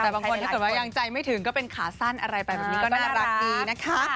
แต่บางคนถ้าเกิดว่ายังใจไม่ถึงก็เป็นขาสั้นอะไรไปแบบนี้ก็น่ารักดีนะคะ